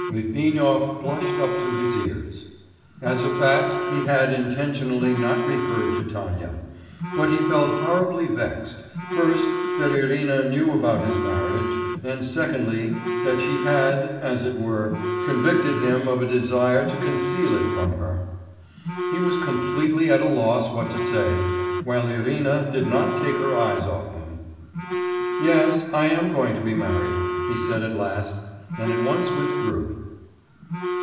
Litvinov blushed up to his ears.... As a fact, he had intentionally not referred to Tanya; but he felt horribly vexed, first, that Irina knew about his marriage, and, secondly, that she had, as it were, convicted him of a desire to conceal it from her. He was completely at a loss what to say, while Irina did not take her eyes off him. 'Yes, I am going to be married,' he said at last, and at once withdrew.